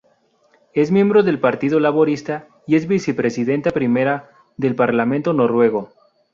Es miembro del Partido Laborista y es vicepresidenta primera del Parlamento noruego.